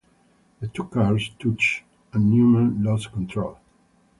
The two cars touched and Newman lost control.